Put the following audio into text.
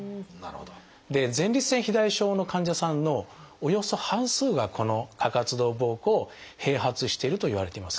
前立腺肥大症の患者さんのおよそ半数がこの過活動ぼうこうを併発しているといわれています。